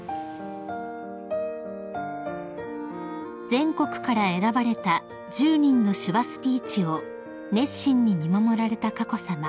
［全国から選ばれた１０人の手話スピーチを熱心に見守られた佳子さま］